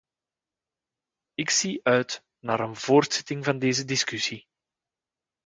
Ik zie uit naar een voortzetting van deze discussie.